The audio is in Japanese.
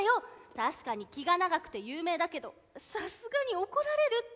確かに気が長くて有名だけどさすがに怒られるって。